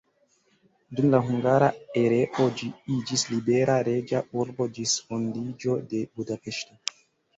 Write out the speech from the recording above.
Dum la hungara erao ĝi iĝis libera reĝa urbo ĝis fondiĝo de Budapeŝto.